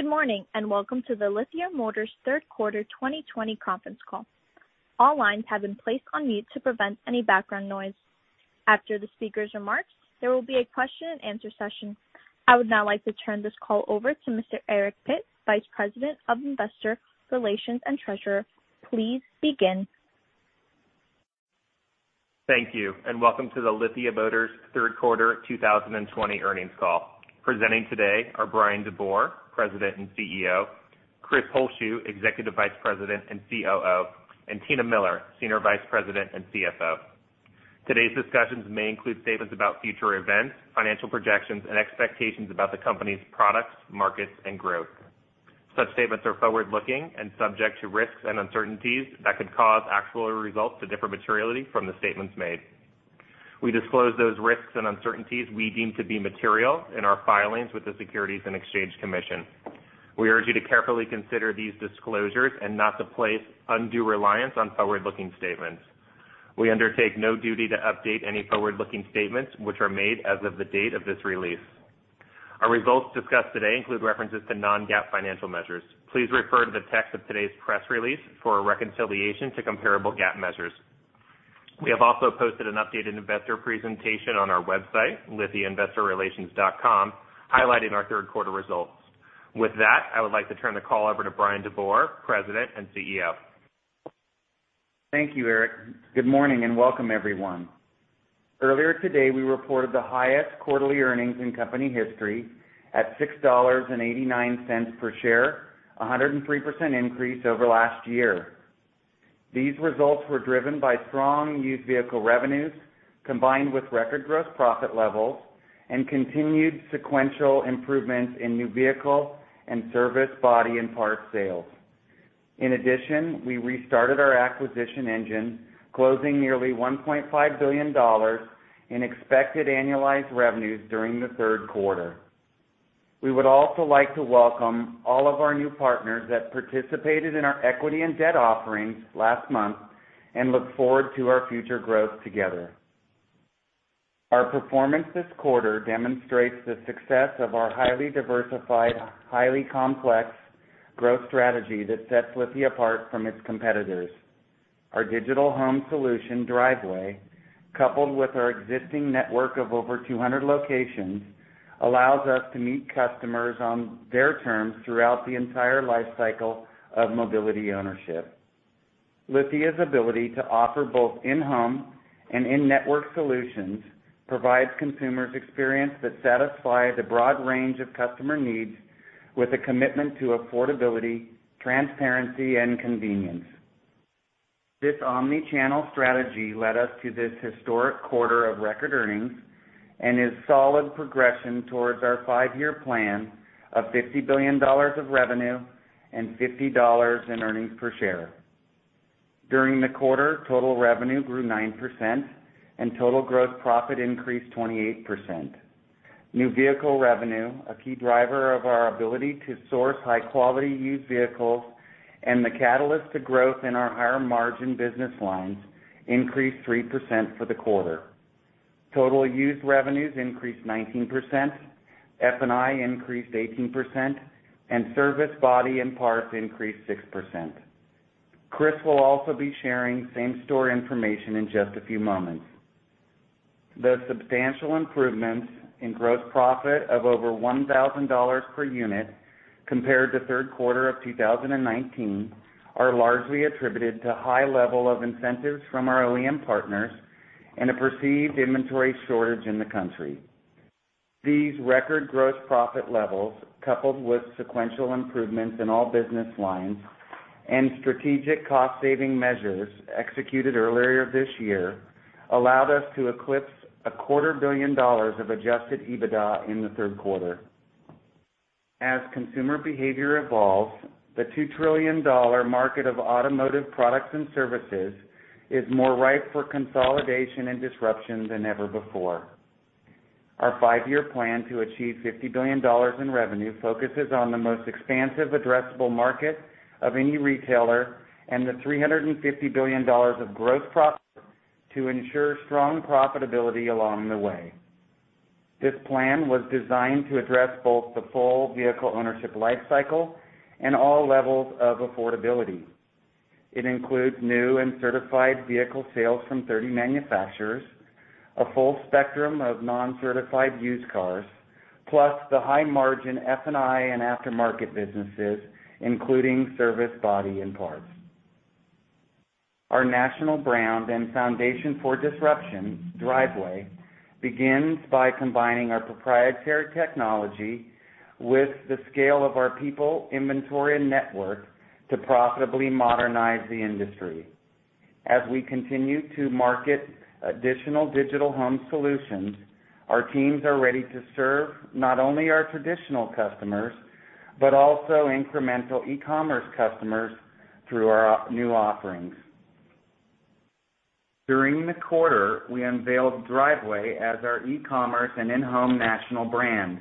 Good morning and welcome to the Lithia Motors third quarter 2020 conference call. All lines have been placed on mute to prevent any background noise. After the speaker's remarks, there will be a question-and-answer session. I would now like to turn this call over to Mr. Eric Pitt, Vice President of Investor Relations and Treasurer. Please begin. Thank you and welcome to the Lithia Motors third quarter 2020 earnings call. Presenting today are Bryan DeBoer, President and CEO, Chris Holzshu, Executive Vice President and COO, and Tina Miller, Senior Vice President and CFO. Today's discussions may include statements about future events, financial projections, and expectations about the company's products, markets, and growth. Such statements are forward-looking and subject to risks and uncertainties that could cause actual results to differ materially from the statements made. We disclose those risks and uncertainties we deem to be material in our filings with the Securities and Exchange Commission. We urge you to carefully consider these disclosures and not to place undue reliance on forward-looking statements. We undertake no duty to update any forward-looking statements which are made as of the date of this release. Our results discussed today include references to non-GAAP financial measures. Please refer to the text of today's press release for a reconciliation to comparable GAAP measures. We have also posted an updated investor presentation on our website, lithiainvestorrelations.com, highlighting our third quarter results. With that, I would like to turn the call over to Bryan DeBoer, President and CEO. Thank you, Eric. Good morning and welcome, everyone. Earlier today, we reported the highest quarterly earnings in company history at $6.89 per share, a 103% increase over last year. These results were driven by strong used vehicle revenues combined with record gross profit levels and continued sequential improvements in new vehicle and service body and part sales. In addition, we restarted our acquisition engine, closing nearly $1.5 billion in expected annualized revenues during the third quarter. We would also like to welcome all of our new partners that participated in our equity and debt offerings last month and look forward to our future growth together. Our performance this quarter demonstrates the success of our highly diversified, highly complex growth strategy that sets Lithia apart from its competitors. Our digital home solution, Driveway, coupled with our existing network of over 200 locations, allows us to meet customers on their terms throughout the entire lifecycle of mobility ownership. Lithia's ability to offer both in-home and in-network solutions provides consumers experiences that satisfy the broad range of customer needs with a commitment to affordability, transparency, and convenience. This omnichannel strategy led us to this historic quarter of record earnings and is solid progression towards our five-year plan of $50 billion of revenue and $50 in earnings per share. During the quarter, total revenue grew 9% and total gross profit increased 28%. New vehicle revenue, a key driver of our ability to source high-quality used vehicles and the catalyst to growth in our higher margin business lines, increased 3% for the quarter. Total used revenues increased 19%, F&I increased 18%, and service body and parts increased 6%. Chris will also be sharing same store information in just a few moments. The substantial improvements in gross profit of over $1,000 per unit compared to third quarter of 2019 are largely attributed to high level of incentives from our OEM partners and a perceived inventory shortage in the country. These record gross profit levels, coupled with sequential improvements in all business lines and strategic cost-saving measures executed earlier this year, allowed us to eclipse $250 million of Adjusted EBITDA in the third quarter. As consumer behavior evolves, the $2 trillion market of automotive products and services is more ripe for consolidation and disruption than ever before. Our five-year plan to achieve $50 billion in revenue focuses on the most expansive addressable market of any retailer and the $350 billion of gross profit to ensure strong profitability along the way. This plan was designed to address both the full vehicle ownership lifecycle and all levels of affordability. It includes new and certified vehicle sales from 30 manufacturers, a full spectrum of non-certified used cars, plus the high-margin F&I and aftermarket businesses, including service body and parts. Our national brand and foundation for disruption, Driveway, begins by combining our proprietary technology with the scale of our people, inventory, and network to profitably modernize the industry. As we continue to market additional digital home solutions, our teams are ready to serve not only our traditional customers but also incremental e-commerce customers through our new offerings. During the quarter, we unveiled Driveway as our e-commerce and in-home national brand.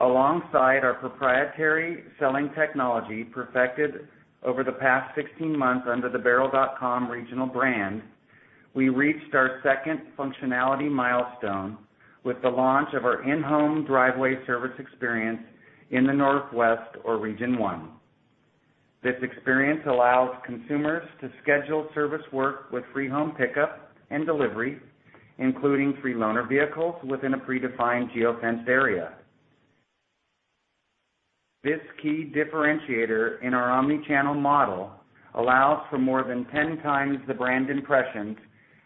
Alongside our proprietary selling technology perfected over the past 16 months under the Baierl.com regional brand, we reached our second functionality milestone with the launch of our in-home Driveway service experience in the Northwest or Region 1. This experience allows consumers to schedule service work with free home pickup and delivery, including free loaner vehicles within a predefined geofenced area. This key differentiator in our omnichannel model allows for more than 10 times the brand impressions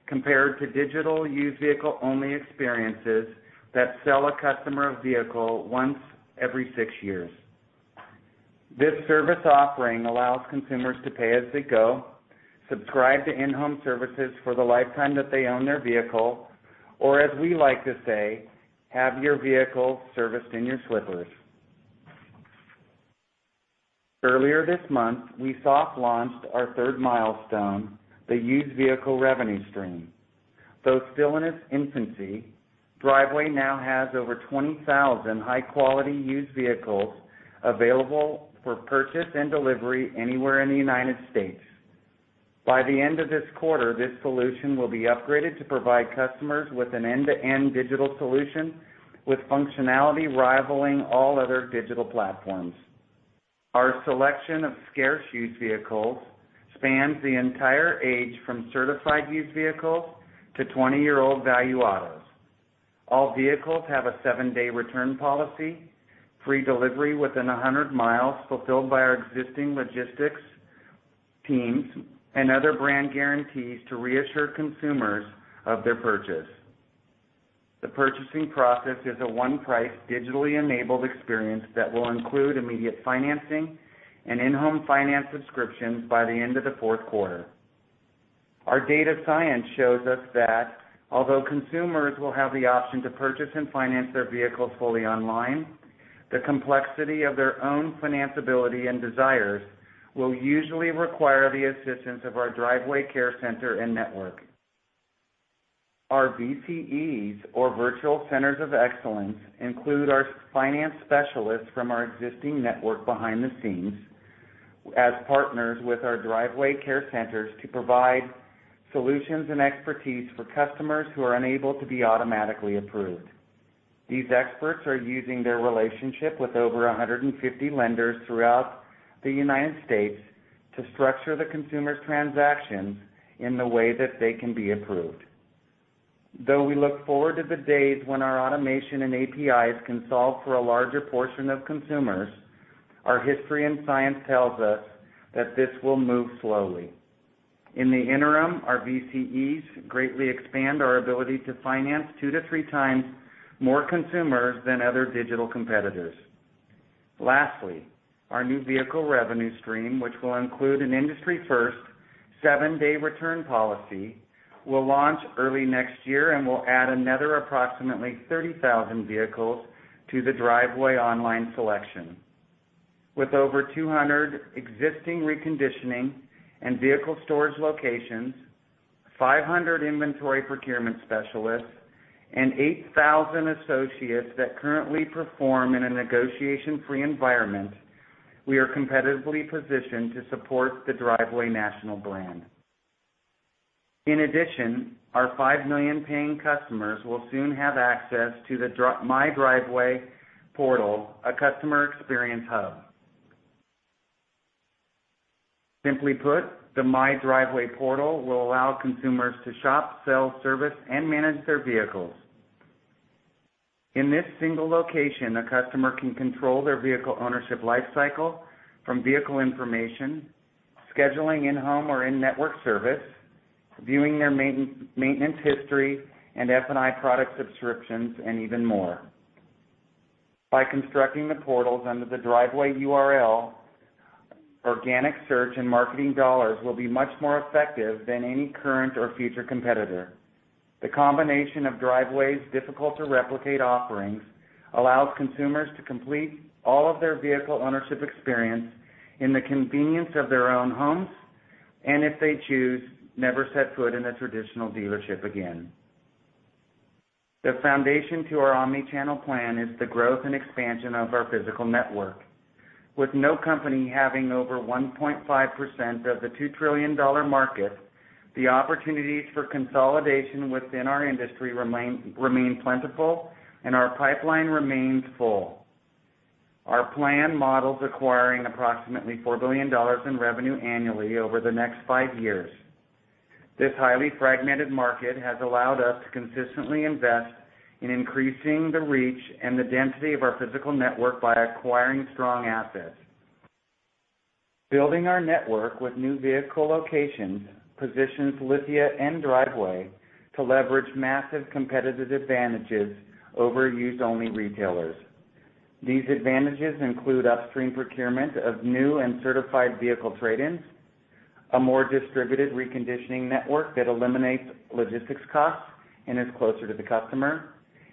compared to digital used vehicle-only experiences that sell a customer a vehicle once every six years. This service offering allows consumers to pay as they go, subscribe to in-home services for the lifetime that they own their vehicle, or as we like to say, have your vehicle serviced in your slippers. Earlier this month, we soft-launched our third milestone, the used vehicle revenue stream. Though still in its infancy, Driveway now has over 20,000 high-quality used vehicles available for purchase and delivery anywhere in the United States. By the end of this quarter, this solution will be upgraded to provide customers with an end-to-end digital solution with functionality rivaling all other digital platforms. Our selection of scarce used vehicles spans the entire age from certified used vehicles to 20-year-old value autos. All vehicles have a seven-day return policy, free delivery within 100 miles fulfilled by our existing logistics teams and other brand guarantees to reassure consumers of their purchase. The purchasing process is a one-price digitally enabled experience that will include immediate financing and in-home finance subscriptions by the end of the fourth quarter. Our data science shows us that although consumers will have the option to purchase and finance their vehicles fully online, the complexity of their own financial ability and desires will usually require the assistance of our Driveway Care Center and network. Our VCEs, or Virtual Centers of Excellence, include our finance specialists from our existing network behind the scenes as partners with our Driveway Care Centers to provide solutions and expertise for customers who are unable to be automatically approved. These experts are using their relationship with over 150 lenders throughout the United States to structure the consumer's transactions in the way that they can be approved. Though we look forward to the days when our automation and APIs can solve for a larger portion of consumers, our history and science tells us that this will move slowly. In the interim, our VCEs greatly expand our ability to finance two to three times more consumers than other digital competitors. Lastly, our new vehicle revenue stream, which will include an industry-first seven-day return policy, will launch early next year and will add another approximately 30,000 vehicles to the Driveway online selection. With over 200 existing reconditioning and vehicle storage locations, 500 inventory procurement specialists, and 8,000 associates that currently perform in a negotiation-free environment, we are competitively positioned to support the Driveway national brand. In addition, our 5 million paying customers will soon have access to the My Driveway portal, a customer experience hub. Simply put, the My Driveway portal will allow consumers to shop, sell, service, and manage their vehicles. In this single location, a customer can control their vehicle ownership lifecycle from vehicle information, scheduling in-home or in-network service, viewing their maintenance history, and F&I product subscriptions, and even more. By constructing the portals under the Driveway URL, organic search and marketing dollars will be much more effective than any current or future competitor. The combination of Driveway's difficult-to-replicate offerings allows consumers to complete all of their vehicle ownership experience in the convenience of their own homes and, if they choose, never set foot in a traditional dealership again. The foundation to our omnichannel plan is the growth and expansion of our physical network. With no company having over 1.5% of the $2 trillion market, the opportunities for consolidation within our industry remain plentiful and our pipeline remains full. Our plan models acquiring approximately $4 billion in revenue annually over the next five years. This highly fragmented market has allowed us to consistently invest in increasing the reach and the density of our physical network by acquiring strong assets. Building our network with new vehicle locations positions Lithia and Driveway to leverage massive competitive advantages over used-only retailers. These advantages include upstream procurement of new and certified vehicle trade-ins, a more distributed reconditioning network that eliminates logistics costs and is closer to the customer,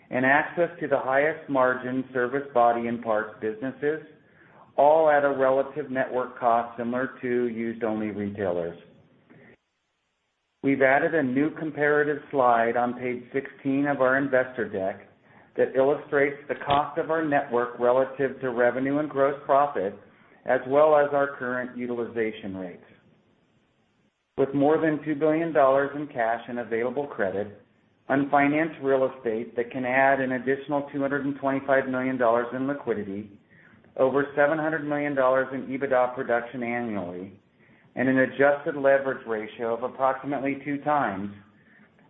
and access to the highest margin service body and parts businesses, all at a relative network cost similar to used-only retailers. We've added a new comparative slide on page 16 of our investor deck that illustrates the cost of our network relative to revenue and gross profit, as well as our current utilization rates. With more than $2 billion in cash and available credit, unfinanced real estate that can add an additional $225 million in liquidity, over $700 million in EBITDA production annually, and an adjusted leverage ratio of approximately two times,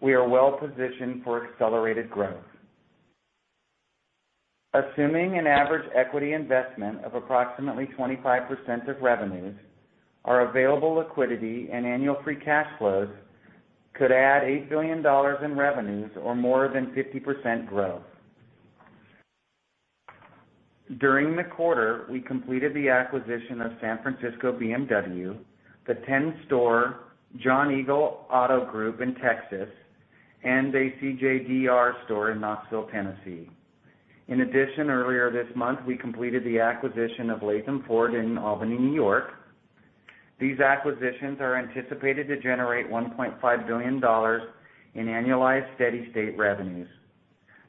we are well positioned for accelerated growth. Assuming an average equity investment of approximately 25% of revenues, our available liquidity and annual free cash flows could add $8 billion in revenues or more than 50% growth. During the quarter, we completed the acquisition of San Francisco BMW, the 10 store John Eagle Auto Group in Texas, and a CJDR store in Knoxville, Tennessee. In addition, earlier this month, we completed the acquisition of Latham Ford in Albany, New York. These acquisitions are anticipated to generate $1.5 billion in annualized steady-state revenues.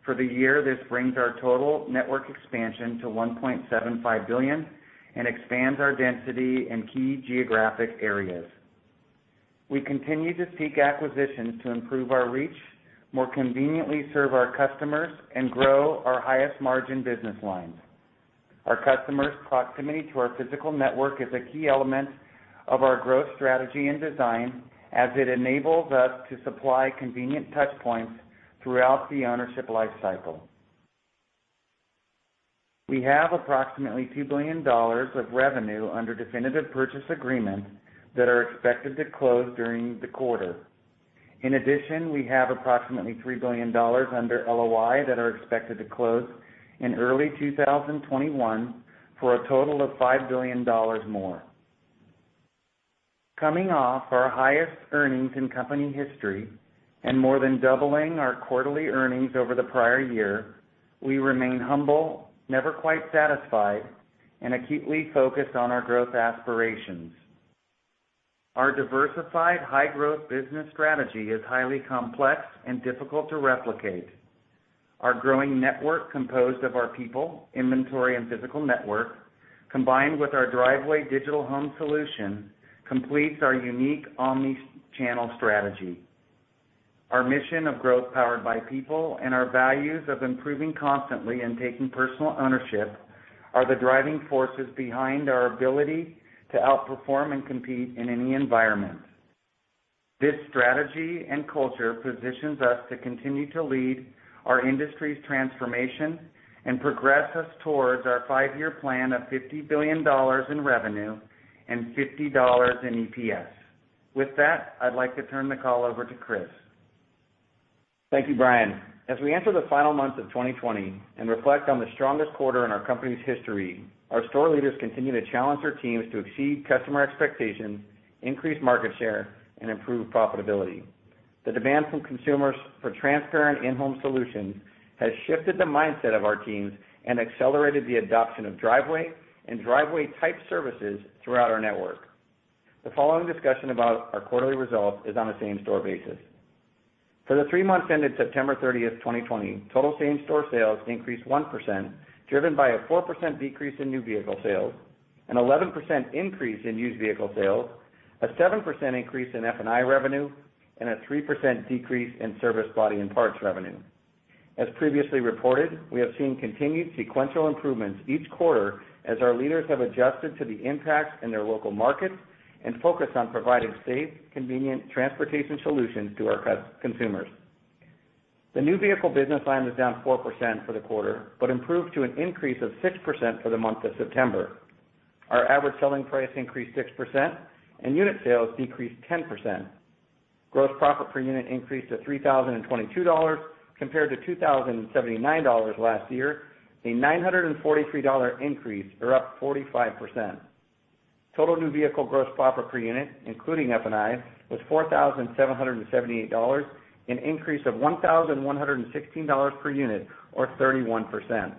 For the year, this brings our total network expansion to $1.75 billion and expands our density and key geographic areas. We continue to seek acquisitions to improve our reach, more conveniently serve our customers, and grow our highest margin business lines. Our customers' proximity to our physical network is a key element of our growth strategy and design, as it enables us to supply convenient touchpoints throughout the ownership lifecycle. We have approximately $2 billion of revenue under definitive purchase agreements that are expected to close during the quarter. In addition, we have approximately $3 billion under LOI that are expected to close in early 2021 for a total of $5 billion more. Coming off our highest earnings in company history and more than doubling our quarterly earnings over the prior year, we remain humble, never quite satisfied, and acutely focused on our growth aspirations. Our diversified high-growth business strategy is highly complex and difficult to replicate. Our growing network composed of our people, inventory, and physical network, combined with our Driveway digital home solution, completes our unique omnichannel strategy. Our mission of growth powered by people and our values of improving constantly and taking personal ownership are the driving forces behind our ability to outperform and compete in any environment. This strategy and culture positions us to continue to lead our industry's transformation and progress us towards our five-year plan of $50 billion in revenue and $50 in EPS. With that, I'd like to turn the call over to Chris. Thank you, Bryan. As we enter the final months of 2020 and reflect on the strongest quarter in our company's history, our store leaders continue to challenge their teams to exceed customer expectations, increase market share, and improve profitability. The demand from consumers for transparent in-home solutions has shifted the mindset of our teams and accelerated the adoption of Driveway and Driveway-type services throughout our network. The following discussion about our quarterly results is on a same-store basis. For the three months ended September 30th, 2020, total same-store sales increased 1%, driven by a 4% decrease in new vehicle sales, an 11% increase in used vehicle sales, a 7% increase in F&I revenue, and a 3% decrease in service body and parts revenue. As previously reported, we have seen continued sequential improvements each quarter as our leaders have adjusted to the impacts in their local markets and focus on providing safe, convenient transportation solutions to our consumers. The new vehicle business line was down 4% for the quarter but improved to an increase of 6% for the month of September. Our average selling price increased 6%, and unit sales decreased 10%. Gross profit per unit increased to $3,022 compared to $2,079 last year, a $943 increase, or up 45%. Total new vehicle gross profit per unit, including F&I, was $4,778, an increase of $1,116 per unit, or 31%.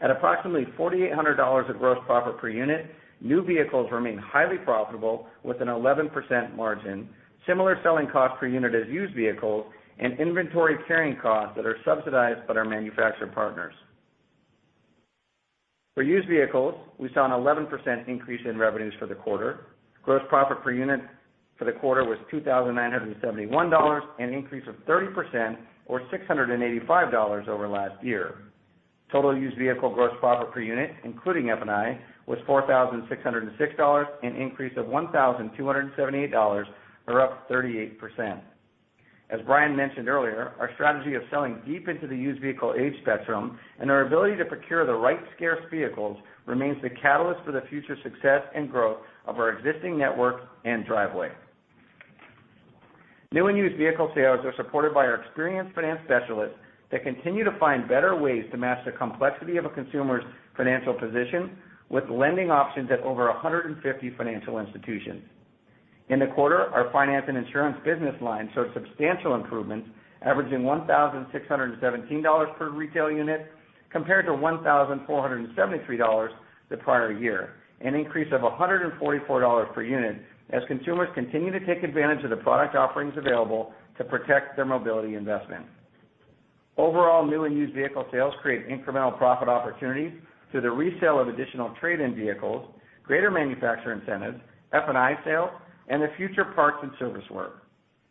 At approximately $4,800 of gross profit per unit, new vehicles remain highly profitable with an 11% margin, similar selling cost per unit as used vehicles, and inventory carrying costs that are subsidized by our manufacturer partners. For used vehicles, we saw an 11% increase in revenues for the quarter. Gross profit per unit for the quarter was $2,971, an increase of 30%, or $685 over last year. Total used vehicle gross profit per unit, including F&I, was $4,606, an increase of $1,278, or up 38%. As Bryan mentioned earlier, our strategy of selling deep into the used vehicle age spectrum and our ability to procure the right scarce vehicles remains the catalyst for the future success and growth of our existing network and Driveway. New and used vehicle sales are supported by our experienced finance specialists that continue to find better ways to match the complexity of a consumer's financial position with lending options at over 150 financial institutions. In the quarter, our finance and insurance business line showed substantial improvements, averaging $1,617 per retail unit compared to $1,473 the prior year, an increase of $144 per unit as consumers continue to take advantage of the product offerings available to protect their mobility investment. Overall, new and used vehicle sales create incremental profit opportunities through the resale of additional trade-in vehicles, greater manufacturer incentives, F&I sales, and the future parts and service work.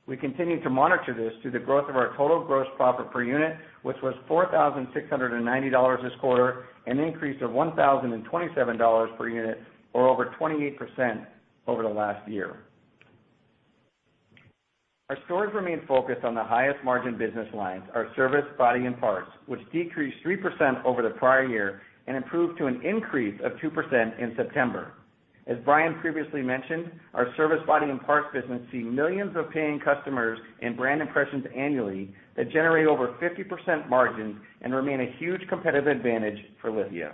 We continue to monitor this through the growth of our total gross profit per unit, which was $4,690 this quarter, an increase of $1,027 per unit, or over 28% over the last year. Our stores remain focused on the highest margin business lines, our service body and parts, which decreased 3% over the prior year and improved to an increase of 2% in September. As Bryan previously mentioned, our service body and parts business sees millions of paying customers and brand impressions annually that generate over 50% margins and remain a huge competitive advantage for Lithia.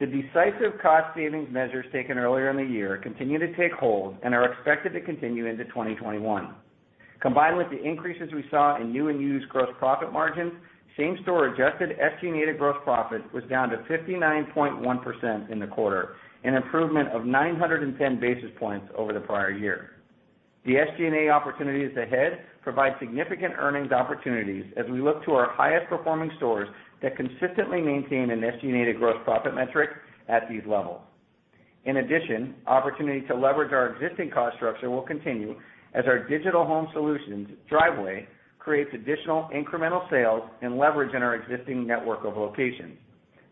The decisive cost savings measures taken earlier in the year continue to take hold and are expected to continue into 2021. Combined with the increases we saw in new and used gross profit margins, same-store adjusted SG&A to gross profit was down to 59.1% in the quarter, an improvement of 910 basis points over the prior year. The SG&A opportunities ahead provide significant earnings opportunities as we look to our highest-performing stores that consistently maintain an SG&A to gross profit metric at these levels. In addition, opportunity to leverage our existing cost structure will continue as our digital home solutions, Driveway, create additional incremental sales and leverage in our existing network of locations.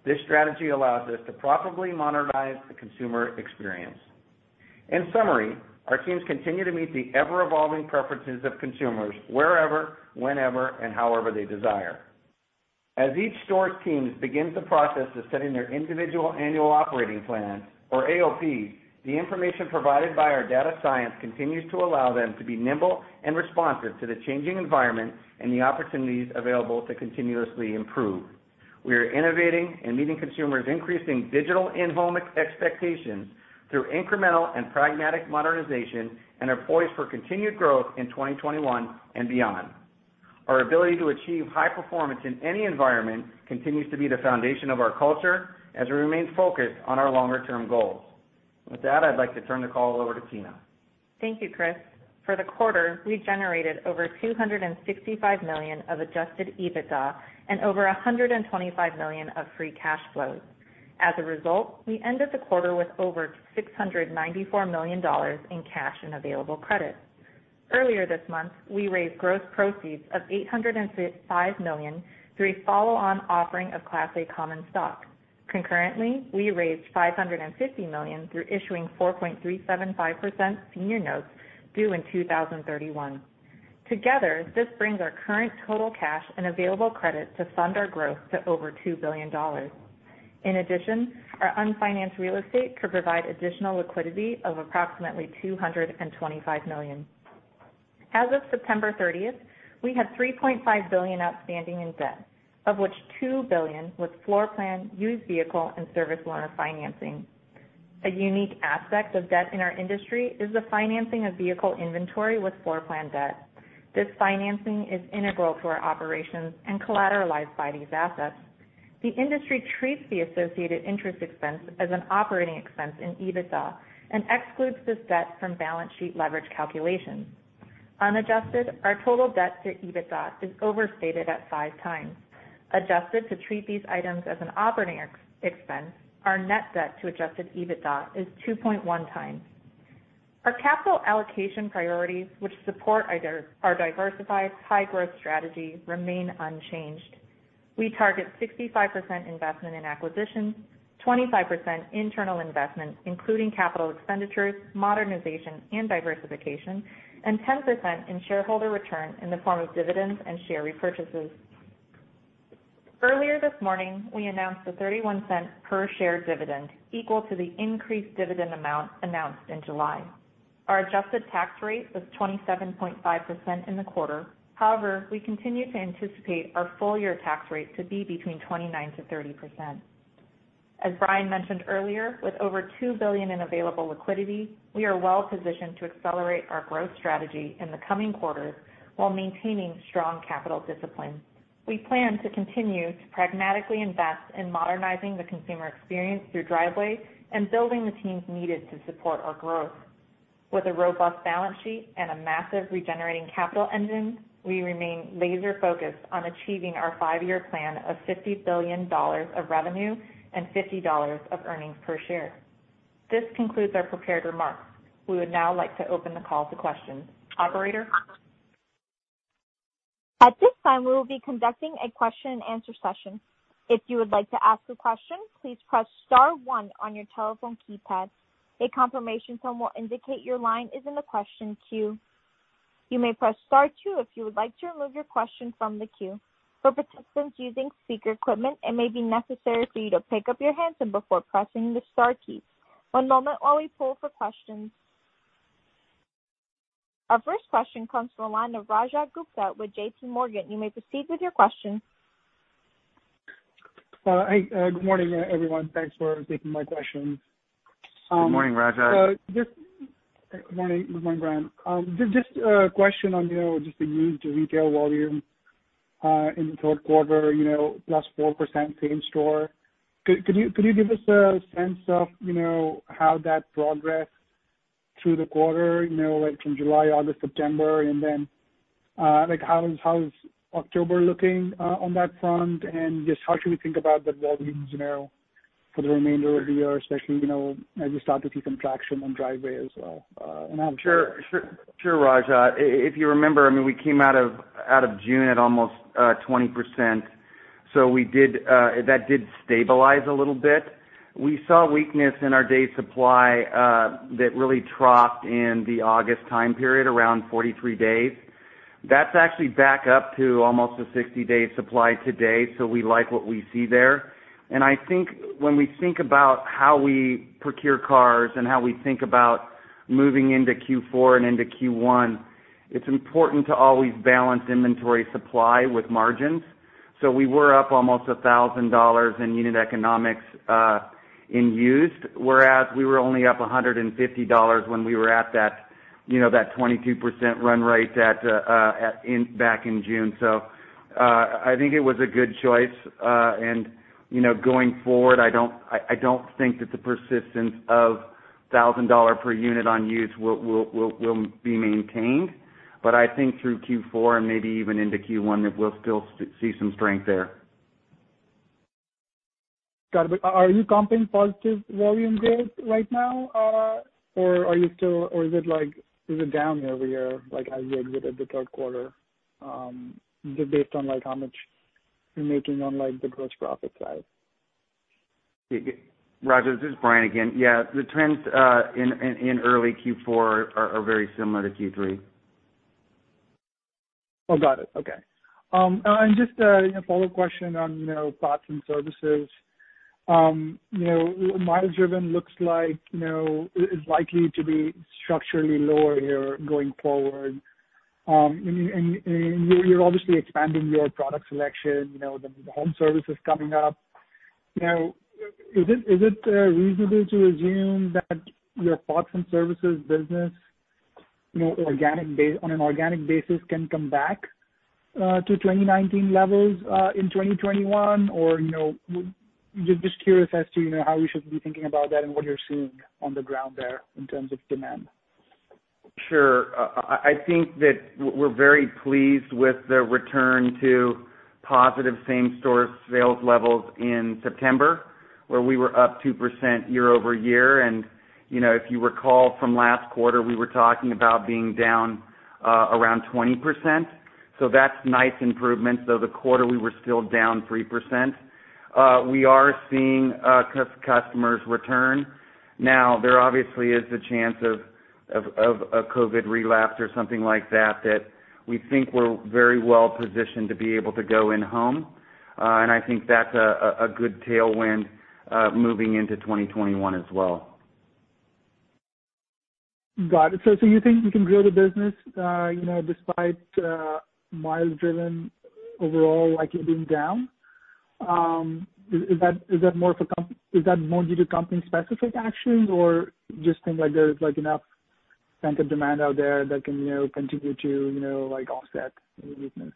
This strategy allows us to profitably modernize the consumer experience. In summary, our teams continue to meet the ever-evolving preferences of consumers wherever, whenever, and however they desire. As each store's teams begin to process the setting their individual annual operating plans, or AOPs, the information provided by our data science continues to allow them to be nimble and responsive to the changing environment and the opportunities available to continuously improve. We are innovating and meeting consumers' increasing digital in-home expectations through incremental and pragmatic modernization and are poised for continued growth in 2021 and beyond. Our ability to achieve high performance in any environment continues to be the foundation of our culture as we remain focused on our longer-term goals. With that, I'd like to turn the call over to Tina. Thank you, Chris. For the quarter, we generated over $265 million of Adjusted EBITDA and over $125 million of free cash flows. As a result, we ended the quarter with over $694 million in cash and available credit. Earlier this month, we raised gross proceeds of $805 million through a follow-on offering of Class A Common Stock. Concurrently, we raised $550 million through issuing 4.375% senior notes due in 2031. Together, this brings our current total cash and available credit to fund our growth to over $2 billion. In addition, our unfinanced real estate could provide additional liquidity of approximately $225 million. As of September 30th, we had $3.5 billion outstanding in debt, of which $2 billion was floor plan, used vehicle, and service loan financing. A unique aspect of debt in our industry is the financing of vehicle inventory with floor plan debt. This financing is integral to our operations and collateralized by these assets. The industry treats the associated interest expense as an operating expense in EBITDA and excludes this debt from balance sheet leverage calculations. Unadjusted, our total debt to EBITDA is overstated at five times. Adjusted to treat these items as an operating expense, our net debt to adjusted EBITDA is 2.1 times. Our capital allocation priorities, which support our diversified high-growth strategy, remain unchanged. We target 65% investment in acquisitions, 25% internal investment, including capital expenditures, modernization, and diversification, and 10% in shareholder return in the form of dividends and share repurchases. Earlier this morning, we announced a $0.31 per share dividend equal to the increased dividend amount announced in July. Our adjusted tax rate was 27.5% in the quarter. However, we continue to anticipate our full-year tax rate to be between 29%-30%. As Bryan mentioned earlier, with over $2 billion in available liquidity, we are well positioned to accelerate our growth strategy in the coming quarters while maintaining strong capital discipline. We plan to continue to pragmatically invest in modernizing the consumer experience through Driveway and building the teams needed to support our growth. With a robust balance sheet and a massive regenerating capital engine, we remain laser-focused on achieving our five-year plan of $50 billion of revenue and $50 of earnings per share. This concludes our prepared remarks. We would now like to open the call to questions. Operator? At this time, we will be conducting a question-and-answer session. If you would like to ask a question, please press star one on your telephone keypad. A confirmation tone will indicate your line is in the question queue. You may press star two if you would like to remove your question from the queue. For participants using speaker equipment, it may be necessary for you to pick up your handset before pressing the star key. One moment while we pull for questions. Our first question comes from Rajat Gupta with JPMorgan. You may proceed with your question. Hi. Good morning, everyone. Thanks for taking my questions. Good morning, Raja. Good morning, Bryan. Just a question on just the used retail volume in the third quarter, plus 4% same-store. Could you give us a sense of how that progressed through the quarter, from July, August, September, and then how is October looking on that front? And just how should we think about the volumes for the remainder of the year, especially as we start to see some traction on Driveway as well? Sure, Raja. If you remember, I mean, we came out of June at almost 20%. So that did stabilize a little bit. We saw weakness in our day supply that really troughed in the August time period, around 43 days. That's actually back up to almost a 60-day supply today, so we like what we see there, and I think when we think about how we procure cars and how we think about moving into Q4 and into Q1, it's important to always balance inventory supply with margins, so we were up almost $1,000 in unit economics in used, whereas we were only up $150 when we were at that 22% run rate back in June, so I think it was a good choice, and going forward, I don't think that the persistence of $1,000 per unit on used will be maintained, but I think through Q4 and maybe even into Q1, that we'll still see some strength there. Got it. Are you pumping positive volume growth right now, or are you still, or is it down every year as you exited the third quarter, just based on how much you're making on the gross profit side? Rajat, this is Bryan again. Yeah, the trends in early Q4 are very similar to Q3. Oh, got it. Okay. And just a follow-up question on products and services. Mileage driven looks like it's likely to be structurally lower here going forward. And you're obviously expanding your product selection. The home service is coming up. Is it reasonable to assume that your products and services business, on an organic basis, can come back to 2019 levels in 2021? Or just curious as to how you should be thinking about that and what you're seeing on the ground there in terms of demand? Sure. I think that we're very pleased with the return to positive same-store sales levels in September, where we were up 2% year over year. And if you recall from last quarter, we were talking about being down around 20%. So that's nice improvements, though the quarter we were still down 3%. We are seeing customers return. Now, there obviously is the chance of a COVID relapse or something like that that we think we're very well positioned to be able to go in home. And I think that's a good tailwind moving into 2021 as well. Got it. So you think you can grow the business despite mileage driven overall likely being down? Is that more of a company is that more due to company-specific actions or just think there's enough sense of demand out there that can continue to offset any weakness?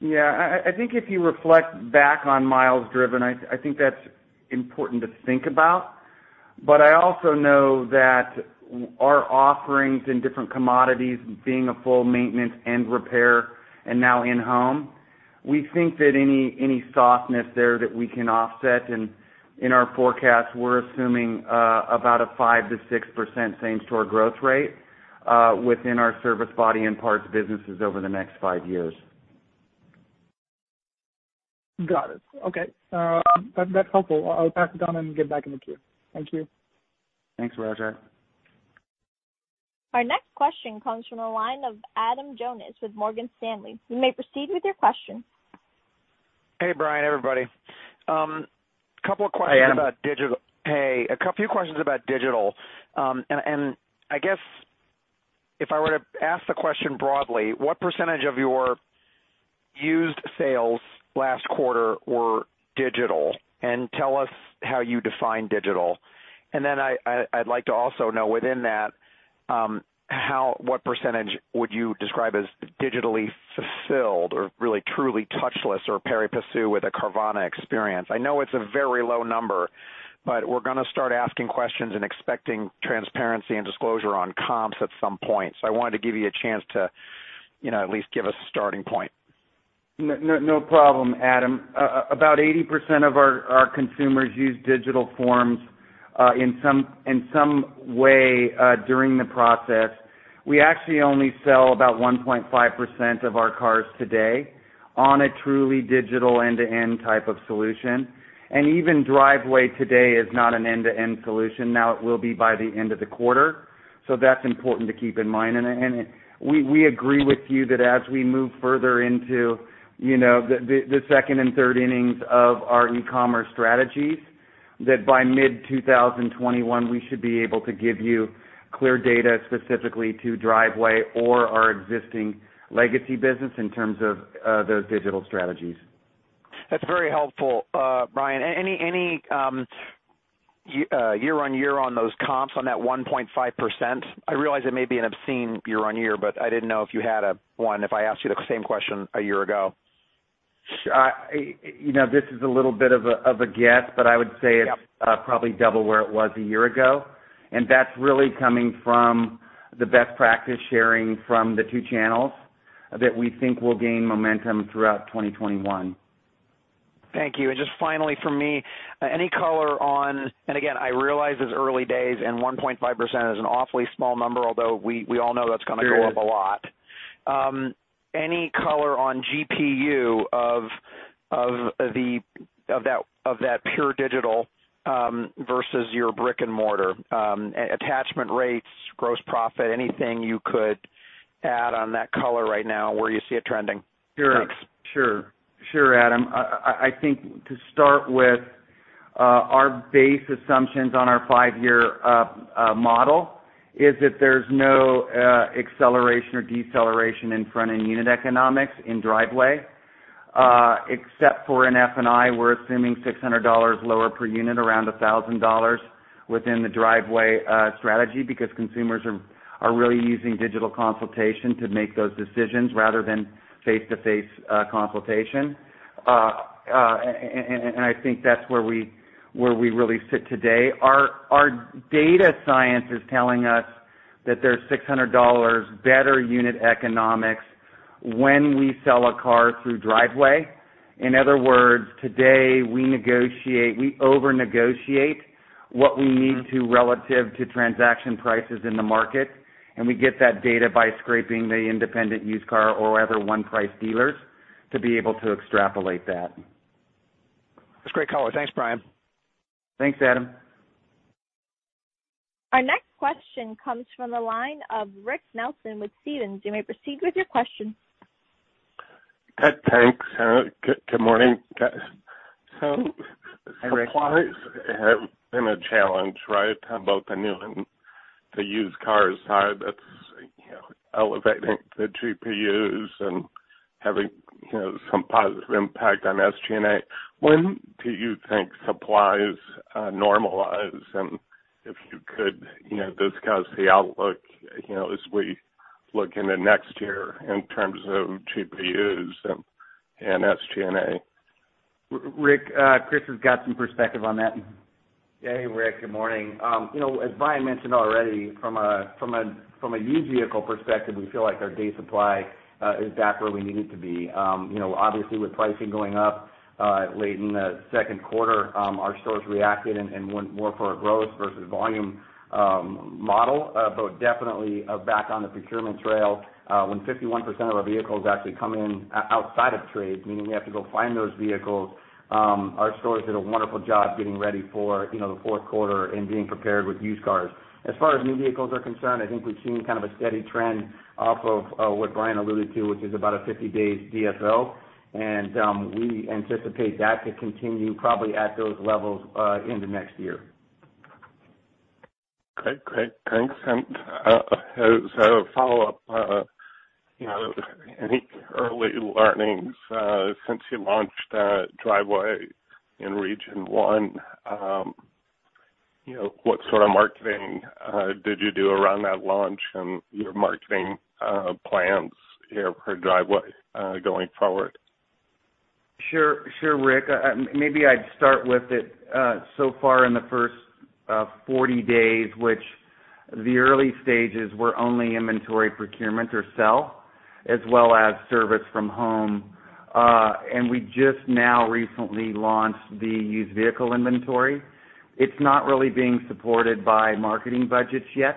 Yeah. I think if you reflect back on mileage driven, I think that's important to think about. But I also know that our offerings in different commodities being a full maintenance and repair and now in home, we think that any softness there that we can offset. And in our forecast, we're assuming about a 5%-6% same-store growth rate within our service body and parts businesses over the next five years. Got it. Okay. That's helpful. I'll pass it on and get back in the queue. Thank you. Thanks, Raja. Our next question comes from Adam Jonas with Morgan Stanley. You may proceed with your question. Hey, Bryan, everybody. A couple of questions about digital. Hey, a few questions about digital. And I guess if I were to ask the question broadly, what percentage of your used sales last quarter were digital? And tell us how you define digital. And then I'd like to also know within that, what percentage would you describe as digitally fulfilled or really truly touchless or par excellence with a Carvana experience? I know it's a very low number, but we're going to start asking questions and expecting transparency and disclosure on comps at some point. So I wanted to give you a chance to at least give us a starting point. No problem, Adam. About 80% of our consumers use digital forms in some way during the process. We actually only sell about 1.5% of our cars today on a truly digital end-to-end type of solution. And even Driveway today is not an end-to-end solution. Now it will be by the end of the quarter. So that's important to keep in mind. And we agree with you that as we move further into the second and third innings of our e-commerce strategies, that by mid-2021, we should be able to give you clear data specifically to Driveway or our existing legacy business in terms of those digital strategies. That's very helpful, Bryan. Any year-on-year on those comps on that 1.5%? I realize it may be an obscene year-on-year, but I didn't know if you had one if I asked you the same question a year ago. This is a little bit of a guess, but I would say it's probably double where it was a year ago. And that's really coming from the best practice sharing from the two channels that we think will gain momentum throughout 2021. Thank you. And just finally for me, any color on, and again, I realize it's early days and 1.5% is an awfully small number, although we all know that's going to go up a lot. Any color on GPU of that pure digital versus your brick and mortar? Attachment rates, gross profit, anything you could add on that color right now where you see it trending? Sure. Sure. Sure, Adam. I think to start with, our base assumptions on our five-year model is that there's no acceleration or deceleration in front-end unit economics in Driveway, except for in F&I, we're assuming $600 lower per unit, around $1,000 within the Driveway strategy because consumers are really using digital consultation to make those decisions rather than face-to-face consultation. And I think that's where we really sit today. Our data science is telling us that there's $600 better unit economics when we sell a car through Driveway. In other words, today, we over-negotiate what we need to relative to transaction prices in the market, and we get that data by scraping the independent used car or other one-price dealers to be able to extrapolate that. That's great color. Thanks, Bryan. Thanks, Adam. Our next question comes from the line of Rick Nelson with Stephens. You may proceed with your question. Thanks. Good morning. So supply has been a challenge, right, on both the new and the used car side. That's elevating the GPUs and having some positive impact on SG&A. When do you think supplies normalize, and if you could discuss the outlook as we look into next year in terms of GPUs and SG&A. Rick, Chris has got some perspective on that. Hey, Rick. Good morning. As Bryan mentioned already, from a used vehicle perspective, we feel like our day supply is back where we need it to be. Obviously, with pricing going up late in the second quarter, our stores reacted and went more for a gross versus volume model. But definitely back on the procurement trail, when 51% of our vehicles actually come in outside of trade, meaning we have to go find those vehicles, our stores did a wonderful job getting ready for the fourth quarter and being prepared with used cars. As far as new vehicles are concerned, I think we've seen kind of a steady trend off of what Bryan alluded to, which is about a 50-day DFO. And we anticipate that to continue probably at those levels into next year. Okay. Great. Thanks. And so follow-up, any early learnings since you launched Driveway in Region 1? What sort of marketing did you do around that launch and your marketing plans here for Driveway going forward? Sure, Rick. Maybe I'd start with it. So far in the first 40 days, which the early stages were only inventory procurement or sell, as well as service from home. And we just now recently launched the used vehicle inventory. It's not really being supported by marketing budgets yet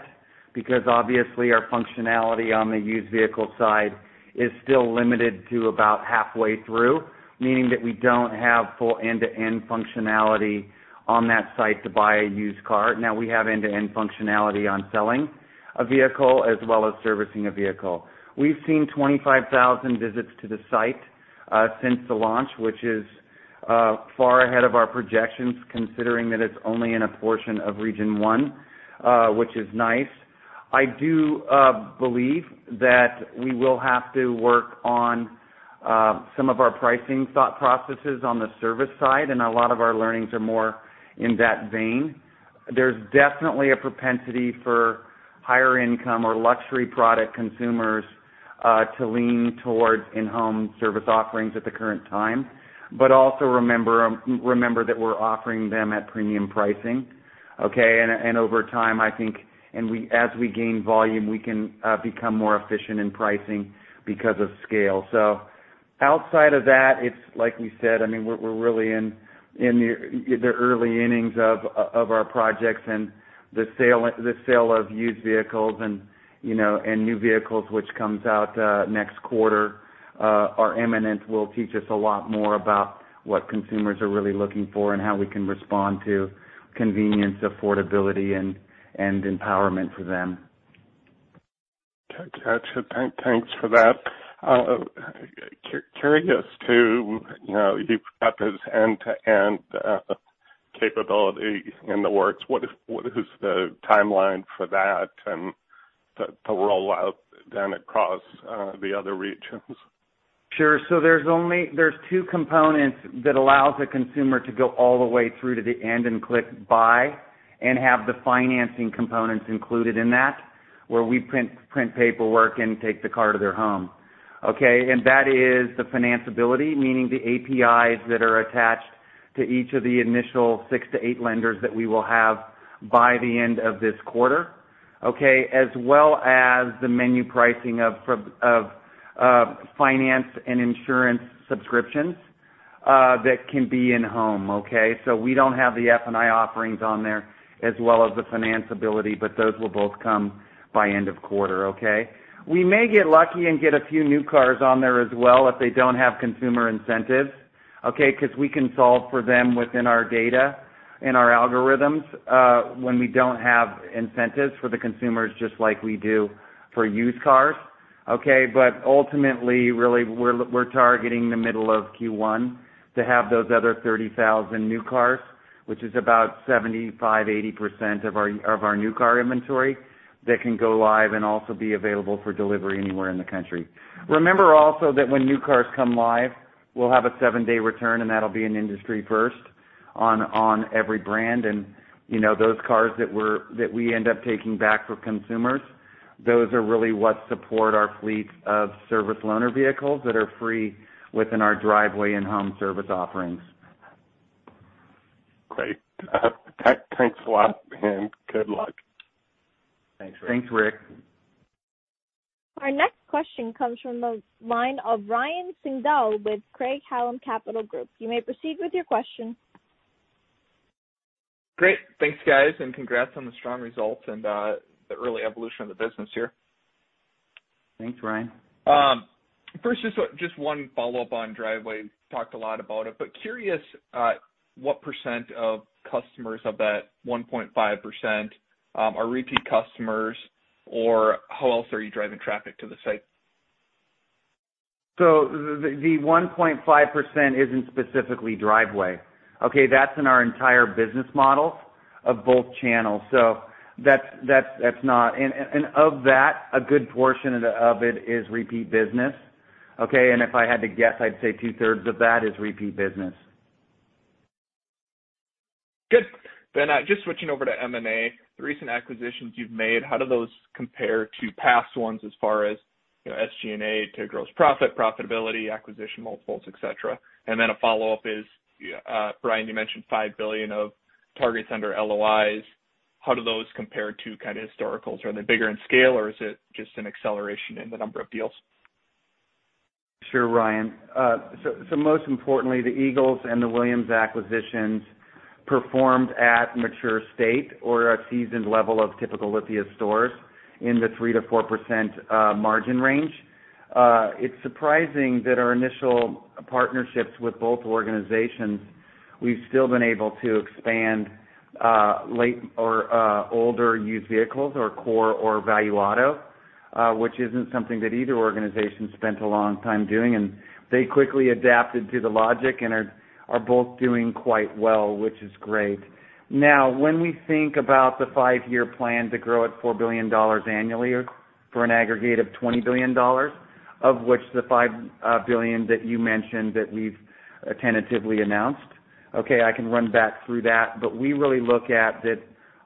because obviously our functionality on the used vehicle side is still limited to about halfway through, meaning that we don't have full end-to-end functionality on that site to buy a used car. Now we have end-to-end functionality on selling a vehicle as well as servicing a vehicle. We've seen 25,000 visits to the site since the launch, which is far ahead of our projections considering that it's only in a portion of Region 1, which is nice. I do believe that we will have to work on some of our pricing thought processes on the service side, and a lot of our learnings are more in that vein. There's definitely a propensity for higher-income or luxury product consumers to lean towards in-home service offerings at the current time. But also remember that we're offering them at premium pricing. Okay? And over time, I think, as we gain volume, we can become more efficient in pricing because of scale. So outside of that, it's like we said, I mean, we're really in the early innings of our projects. And the sale of used vehicles and new vehicles, which comes out next quarter, are imminent. Will teach us a lot more about what consumers are really looking for and how we can respond to convenience, affordability, and empowerment for them. Gotcha. Thanks for that. Curious too, you've got this end-to-end capability in the works. What is the timeline for that and the rollout then across the other regions? Sure. So there's two components that allow the consumer to go all the way through to the end and click buy and have the financing components included in that, where we print paperwork and take the car to their home. Okay? And that is the financeability, meaning the APIs that are attached to each of the initial six to eight lenders that we will have by the end of this quarter, okay, as well as the menu pricing of finance and insurance subscriptions that can be in-home. Okay? So we don't have the F&I offerings on there as well as the financeability, but those will both come by end of quarter. Okay? We may get lucky and get a few new cars on there as well if they don't have consumer incentives. Okay? Because we can solve for them within our data and our algorithms when we don't have incentives for the consumers just like we do for used cars. Okay? But ultimately, really, we're targeting the middle of Q1 to have those other 30,000 new cars, which is about 75%-80% of our new car inventory that can go live and also be available for delivery anywhere in the country. Remember also that when new cars come live, we'll have a seven-day return, and that'll be an industry first on every brand. And those cars that we end up taking back for consumers, those are really what support our fleet of service loaner vehicles that are free within our Driveway in-home service offerings. Great. Thanks a lot. And good luck. Thanks, Rick. Thanks, Rick. Our next question comes from the line of Ryan Sigdahl with Craig-Hallum Capital Group. You may proceed with your question. Great. Thanks, guys. And congrats on the strong results and the early evolution of the business here. Thanks, Ryan. First, just one follow-up on Driveway. Talked a lot about it, but curious what percent of customers of that 1.5% are repeat customers or how else are you driving traffic to the site? So the 1.5% isn't specifically Driveway. Okay? That's in our entire business model of both channels. So that's not. And of that, a good portion of it is repeat business. Okay? And if I had to guess, I'd say two-thirds of that is repeat business. Good. Then just switching over to M&A. The recent acquisitions you've made, how do those compare to past ones as far as SG&A to gross profit, profitability, acquisition multiples, etc.? And then a follow-up is, Bryan, you mentioned $5 billion of targets under LOIs. How do those compare to kind of historicals? Are they bigger in scale or is it just an acceleration in the number of deals? Sure, Ryan. So most importantly, the Eagles and the Williams acquisitions performed at mature state or a seasoned level of typical Lithia stores in the 3%-4% margin range. It's surprising that our initial partnerships with both organizations, we've still been able to expand late or older used vehicles or core or value auto, which isn't something that either organization spent a long time doing. And they quickly adapted to the logic and are both doing quite well, which is great. Now, when we think about the five-year plan to grow at $4 billion annually for an aggregate of $20 billion, of which the $5 billion that you mentioned that we've tentatively announced, okay, I can run back through that, but we really look at that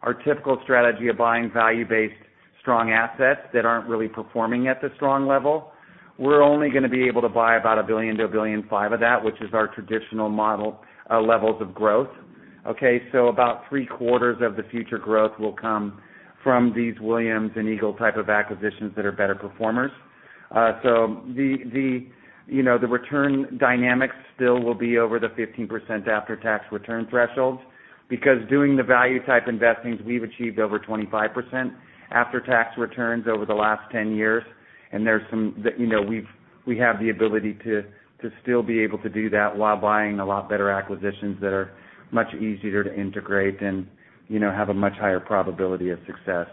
our typical strategy of buying value-based strong assets that aren't really performing at the strong level. We're only going to be able to buy about $1 billion-$1.5 billion of that, which is our traditional model levels of growth. Okay? About three-quarters of the future growth will come from these Williams and Eagle type of acquisitions that are better performers, so the return dynamics still will be over the 15% after-tax return thresholds because doing the value-type investings, we've achieved over 25% after-tax returns over the last 10 years. And there's some that we have the ability to still be able to do that while buying a lot better acquisitions that are much easier to integrate and have a much higher probability of success.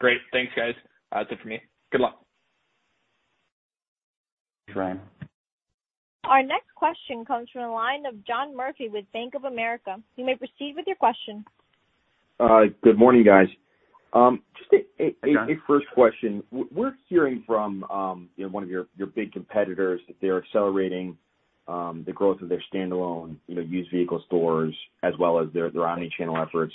Great. Thanks, guys. That's it for me. Good luck. Thanks, Ryan. Our next question comes from the line of John Murphy with Bank of America. You may proceed with your question. Good morning, guys. Just a first question. We're hearing from one of your big competitors that they're accelerating the growth of their standalone used vehicle stores as well as their omnichannel efforts.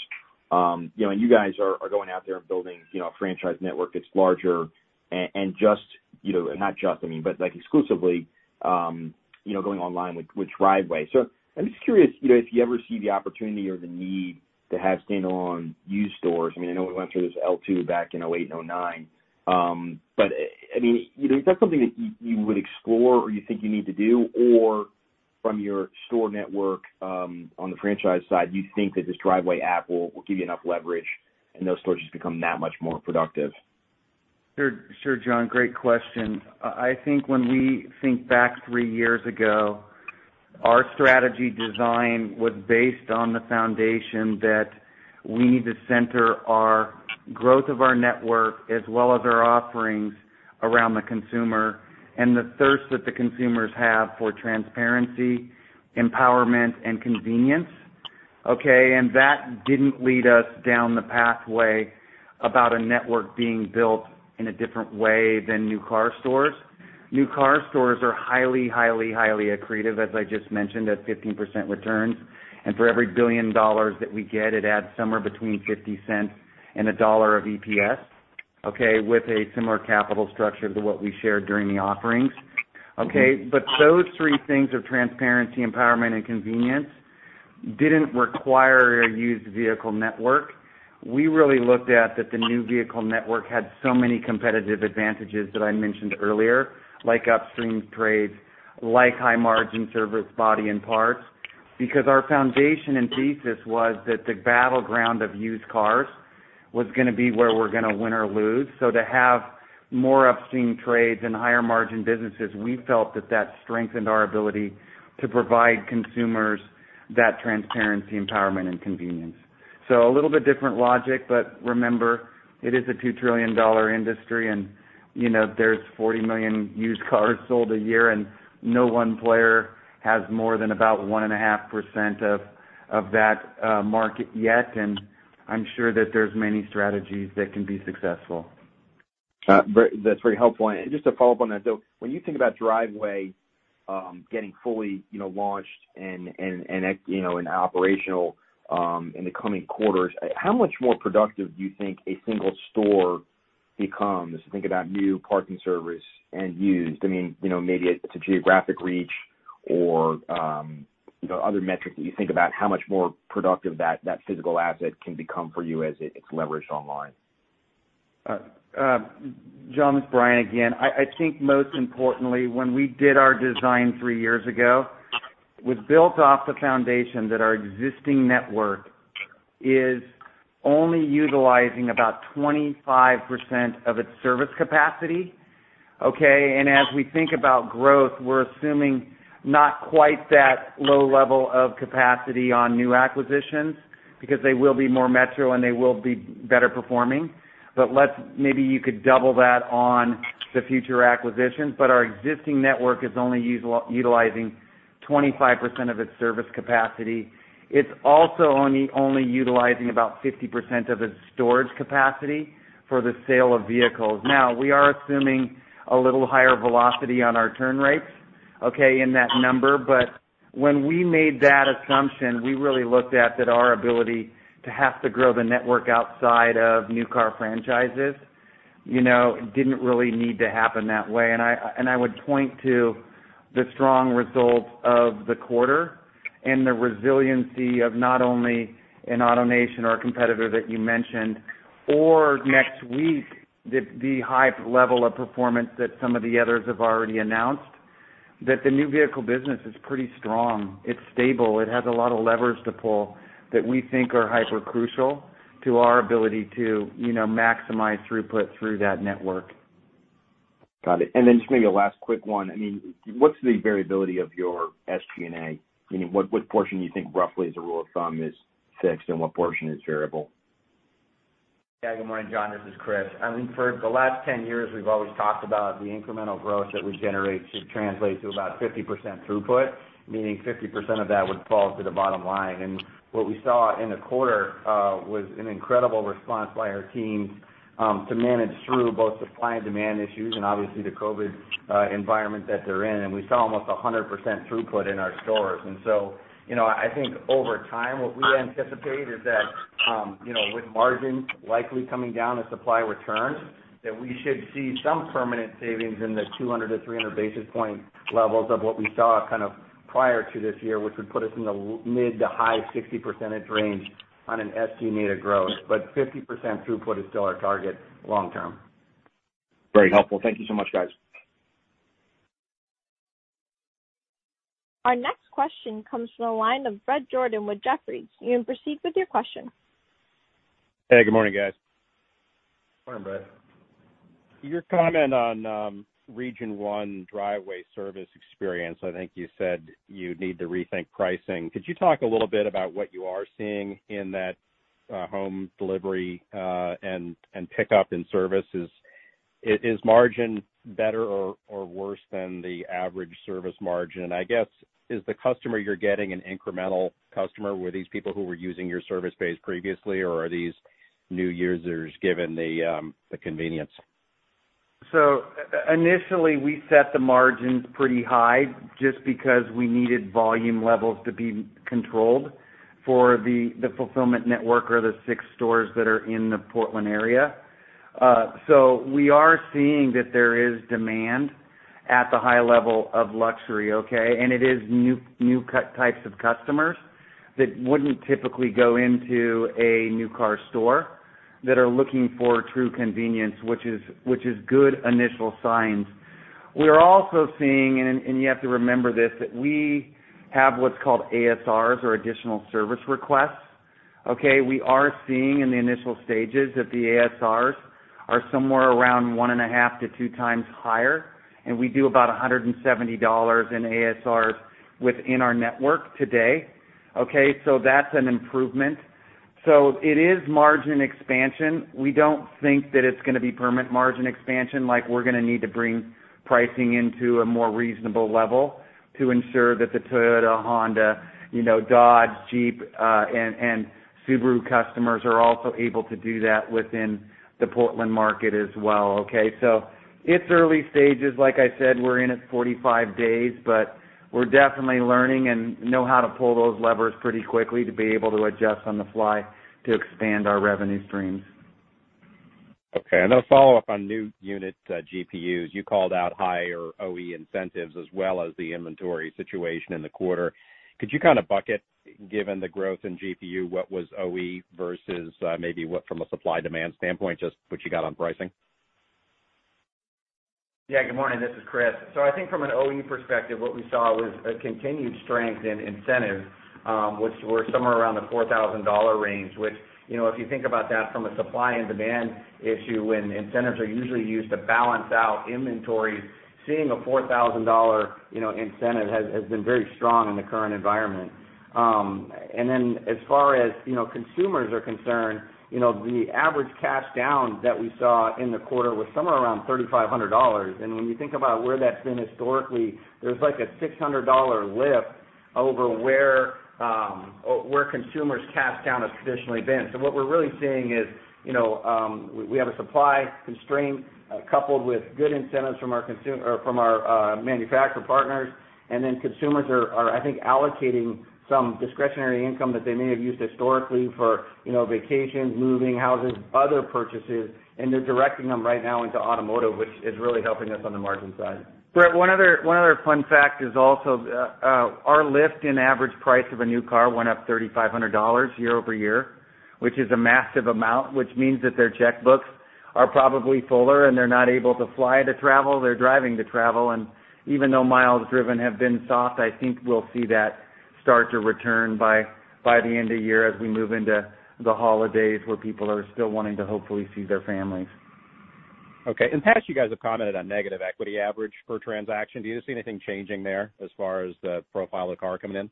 And you guys are going out there and building a franchise network that's larger and just not just, I mean, but exclusively going online with Driveway. So I'm just curious if you ever see the opportunity or the need to have standalone used stores. I mean, I know we went through this L2 back in 2008 and 2009. But I mean, is that something that you would explore or you think you need to do? Or from your store network on the franchise side, you think that this Driveway app will give you enough leverage and those stores just become that much more productive? Sure, John. Great question. I think when we think back three years ago, our strategy design was based on the foundation that we need to center our growth of our network as well as our offerings around the consumer and the thirst that the consumers have for transparency, empowerment, and convenience. Okay? And that didn't lead us down the pathway about a network being built in a different way than new car stores. New car stores are highly, highly, highly accretive, as I just mentioned, at 15% returns. And for every $1 billion that we get, it adds somewhere between $0.50 and $1 of EPS, okay, with a similar capital structure to what we shared during the offerings. Okay? But those three things of transparency, empowerment, and convenience didn't require a used vehicle network. We really looked at that the new vehicle network had so many competitive advantages that I mentioned earlier, like upstream trades, like high-margin service, body, and parts, because our foundation and thesis was that the battleground of used cars was going to be where we're going to win or lose. So to have more upstream trades and higher-margin businesses, we felt that that strengthened our ability to provide consumers that transparency, empowerment, and convenience. So a little bit different logic, but remember, it is a $2 trillion industry, and there's 40 million used cars sold a year, and no one player has more than about 1.5% of that market yet. And I'm sure that there's many strategies that can be successful. That's very helpful. And just to follow up on that, though, when you think about Driveway getting fully launched and operational in the coming quarters, how much more productive do you think a single store becomes? Think about new, parts, service and used. I mean, maybe it's a geographic reach or other metrics that you think about how much more productive that physical asset can become for you as it's leveraged online. John, this is Bryan again. I think most importantly, when we did our design three years ago, it was built off the foundation that our existing network is only utilizing about 25% of its service capacity. Okay? And as we think about growth, we're assuming not quite that low level of capacity on new acquisitions because they will be more metro and they will be better performing. But maybe you could double that on the future acquisitions. But our existing network is only utilizing 25% of its service capacity. It's also only utilizing about 50% of its storage capacity for the sale of vehicles. Now, we are assuming a little higher velocity on our turn rates, okay, in that number. But when we made that assumption, we really looked at that our ability to have to grow the network outside of new car franchises didn't really need to happen that way. And I would point to the strong results of the quarter and the resiliency of not only AutoNation or a competitor that you mentioned, or next week, the high level of performance that some of the others have already announced, that the new vehicle business is pretty strong. It's stable. It has a lot of levers to pull that we think are hyper-crucial to our ability to maximize throughput through that network. Got it. And then just maybe a last quick one. I mean, what's the variability of your SG&A? I mean, what portion do you think roughly as a rule of thumb is fixed and what portion is variable? Yeah. Good morning, John. This is Chris. I mean, for the last 10 years, we've always talked about the incremental growth that we generate should translate to about 50% throughput, meaning 50% of that would fall to the bottom line. And what we saw in the quarter was an incredible response by our teams to manage through both supply and demand issues and obviously the COVID environment that they're in. And we saw almost 100% throughput in our stores. And so I think over time, what we anticipate is that with margins likely coming down and supply returns, that we should see some permanent savings in the 200-300 basis point levels of what we saw kind of prior to this year, which would put us in the mid- to high-60% range on an SG&A to growth. But 50% throughput is still our target long term. Very helpful. Thank you so much, guys. Our next question comes from the line of Bret Jordan with Jefferies. You may proceed with your question. Hey. Good morning, guys. Morning, Bret. Your comment on Region 1 Driveway service experience, I think you said you'd need to rethink pricing. Could you talk a little bit about what you are seeing in that home delivery and pickup and service? Is margin better or worse than the average service margin? And I guess, is the customer you're getting an incremental customer? Were these people who were using your service base previously, or are these new users given the convenience? So initially, we set the margins pretty high just because we needed volume levels to be controlled for the fulfillment network or the six stores that are in the Portland area. So we are seeing that there is demand at the high level of luxury. Okay? It is new types of customers that wouldn't typically go into a new car store that are looking for true convenience, which is good initial signs. We're also seeing, and you have to remember this, that we have what's called ASRs or additional service requests. Okay? We are seeing in the initial stages that the ASRs are somewhere around 1.5 to 2 times higher. And we do about $170 in ASRs within our network today. Okay? So that's an improvement. So it is margin expansion. We don't think that it's going to be permanent margin expansion like we're going to need to bring pricing into a more reasonable level to ensure that the Toyota, Honda, Dodge, Jeep, and Subaru customers are also able to do that within the Portland market as well. Okay? So it's early stages. Like I said, we're in at 45 days, but we're definitely learning and know how to pull those levers pretty quickly to be able to adjust on the fly to expand our revenue streams. Okay. And then a follow-up on new unit GPUs. You called out higher OE incentives as well as the inventory situation in the quarter. Could you kind of bucket, given the growth in GPU, what was OE versus maybe what from a supply-demand standpoint, just what you got on pricing? Yeah. Good morning. This is Chris. So I think from an OE perspective, what we saw was a continued strength in incentives, which were somewhere around the $4,000 range, which if you think about that from a supply and demand issue when incentives are usually used to balance out inventories, seeing a $4,000 incentive has been very strong in the current environment. And then as far as consumers are concerned, the average cash down that we saw in the quarter was somewhere around $3,500. And when you think about where that's been historically, there's like a $600 lift over where consumers' cash down has traditionally been. So what we're really seeing is we have a supply constraint coupled with good incentives from our manufacturer partners. And then consumers are, I think, allocating some discretionary income that they may have used historically for vacations, moving, housing, other purchases. And they're directing them right now into automotive, which is really helping us on the margin side. Bret, one other fun fact is also our lift in average price of a new car went up $3,500 year over year, which is a massive amount, which means that their checkbooks are probably fuller and they're not able to fly to travel. They're driving to travel. And even though miles driven have been soft, I think we'll see that start to return by the end of year as we move into the holidays where people are still wanting to hopefully see their families. Okay. In the past, you guys have commented on negative equity average per transaction. Do you see anything changing there as far as the profile of the car coming in?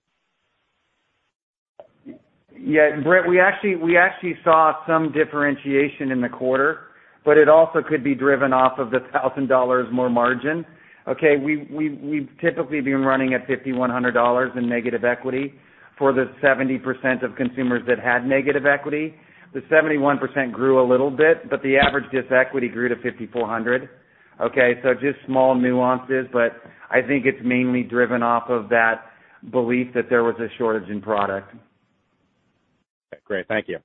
Yeah. Bret, we actually saw some differentiation in the quarter, but it also could be driven off of the $1,000 more margin. Okay? We've typically been running at $5,100 in negative equity for the 70% of consumers that had negative equity. The 71% grew a little bit, but the average disequity grew to $5,400. Okay? So just small nuances, but I think it's mainly driven off of that belief that there was a shortage in product. Okay. Great. Thank you.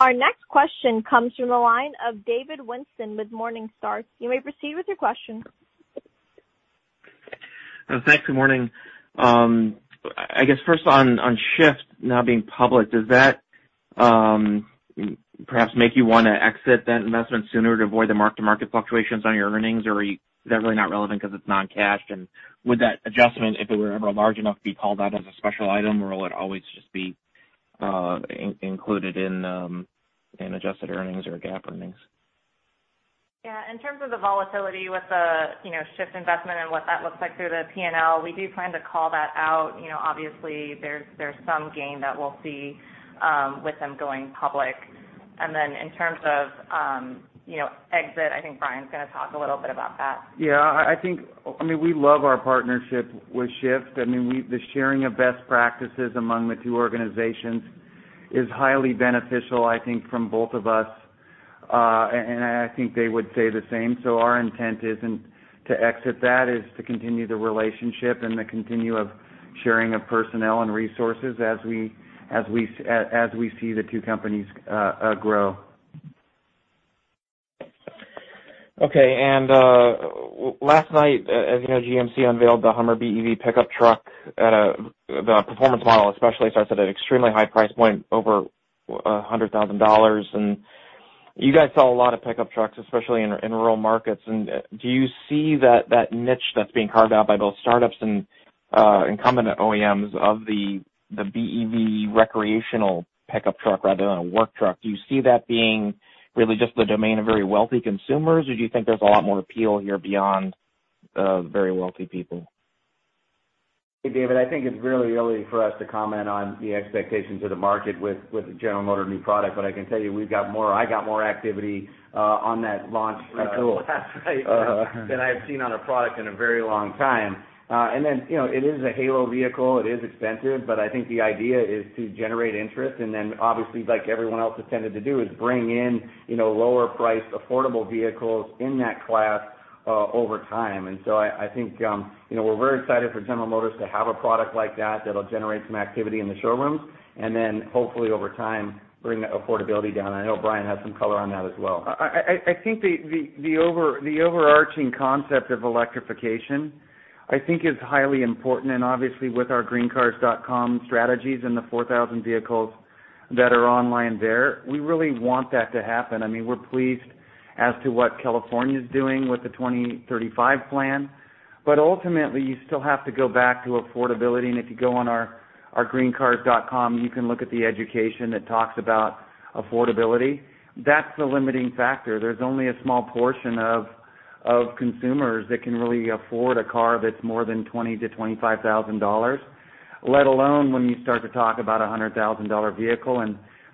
Our next question comes from the line of David Whiston with Morningstar. You may proceed with your question. Thanks. Good morning. I guess first on Shift now being public, does that perhaps make you want to exit that investment sooner to avoid the mark-to-market fluctuations on your earnings, or is that really not relevant because it's non-cash? And would that adjustment, if it were ever large enough to be called out as a special item, or will it always just be included in adjusted earnings or GAAP earnings? Yeah. In terms of the volatility with the Shift investment and what that looks like through the P&L, we do plan to call that out. Obviously, there's some gain that we'll see with them going public. And then in terms of exit, I think Bryan's going to talk a little bit about that. Yeah. I mean, we love our partnership with Shift. I mean, the sharing of best practices among the two organizations is highly beneficial, I think, from both of us. And I think they would say the same. So our intent isn't to exit that; it is to continue the relationship and the continuum of sharing of personnel and resources as we see the two companies grow. Okay. And last night, as you know, GMC unveiled the Hummer BEV pickup truck. The performance model especially starts at an extremely high price point over $100,000. And you guys saw a lot of pickup trucks, especially in rural markets. And do you see that niche that's being carved out by both startups and incumbent OEMs of the BEV recreational pickup truck rather than a work truck? Do you see that being really just the domain of very wealthy consumers, or do you think there's a lot more appeal here beyond very wealthy people? Hey, David, I think it's really early for us to comment on the expectations of the market with the General Motors new product. But I can tell you we've got more, I got more activity on that launch tool than I've seen on a product in a very long time. And then it is a halo vehicle. It is expensive. But I think the idea is to generate interest. And then obviously, like everyone else has tended to do, is bring in lower-priced, affordable vehicles in that class over time. And so I think we're very excited for General Motors to have a product like that that'll generate some activity in the showrooms and then hopefully over time bring the affordability down. I know Bryan has some color on that as well. I think the overarching concept of electrification, I think, is highly important. And obviously, with our GreenCars.com strategies and the 4,000 vehicles that are online there, we really want that to happen. I mean, we're pleased as to what California is doing with the 2035 plan. But ultimately, you still have to go back to affordability. And if you go on our GreenCars.com, you can look at the education that talks about affordability. That's the limiting factor. There's only a small portion of consumers that can really afford a car that's more than $20,000-$25,000, let alone when you start to talk about a $100,000 vehicle.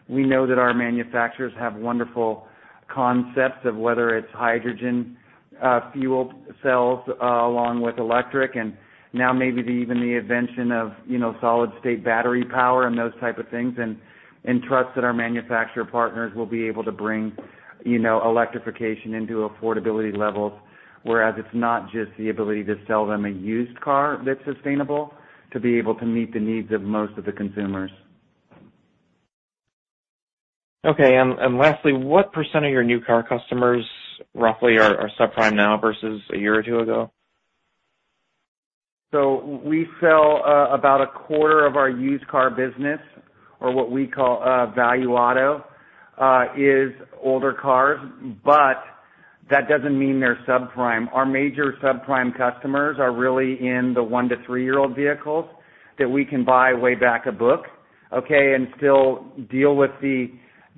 We know that our manufacturers have wonderful concepts of whether it's hydrogen fuel cells along with electric and now maybe even the invention of solid-state battery power and those types of things and trust that our manufacturer partners will be able to bring electrification into affordability levels, whereas it's not just the ability to sell them a used car that's sustainable to be able to meet the needs of most of the consumers. Okay. Lastly, what percent of your new car customers roughly are subprime now versus a year or two ago? We sell about a quarter of our used car business, or what we call value auto, is older cars. But that doesn't mean they're subprime. Our major subprime customers are really in the one to three-year-old vehicles that we can buy way back a book, okay, and still deal with the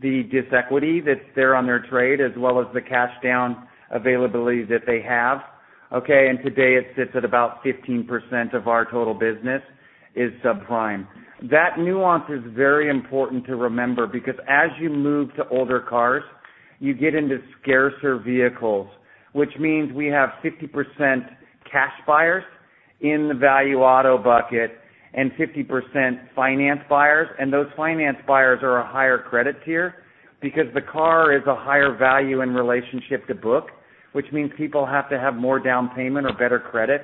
disequity that's there on their trade as well as the cash down availability that they have. Okay? And today, it sits at about 15% of our total business is subprime. That nuance is very important to remember because as you move to older cars, you get into scarcer vehicles, which means we have 50% cash buyers in the value auto bucket and 50% finance buyers. And those finance buyers are a higher credit tier because the car is a higher value in relationship to book, which means people have to have more down payment or better credit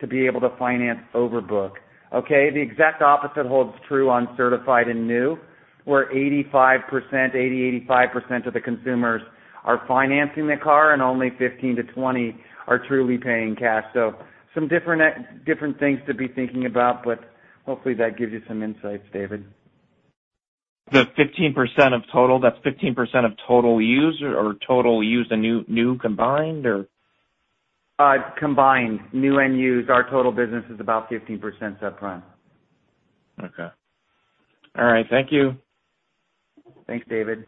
to be able to finance over book. Okay? The exact opposite holds true on certified and new, where 80%-85% of the consumers are financing the car and only 15%-20% are truly paying cash. So some different things to be thinking about, but hopefully that gives you some insights, David. The 15% of total? That's 15% of total used or total used and new combined, or? Combined. New and used. Our total business is about 15% subprime. Okay. All right. Thank you. Thanks, David.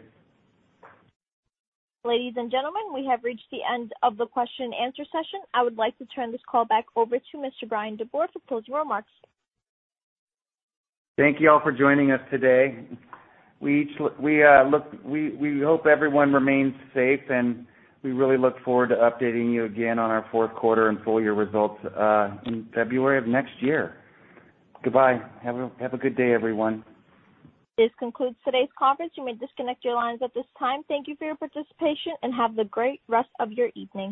Ladies and gentlemen, we have reached the end of the question-and-answer session. I would like to turn this call back over to Mr. Bryan DeBoer for closing remarks. Thank you all for joining us today. We hope everyone remains safe, and we really look forward to updating you again on our fourth quarter and full year results in February of next year. Goodbye. Have a good day, everyone. This concludes today's conference. You may disconnect your lines at this time. Thank you for your participation and have a great rest of your evening.